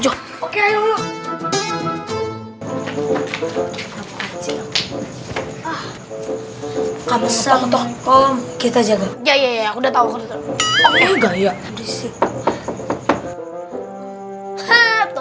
om kita jaga ya ya udah tahu kayak gaya disitu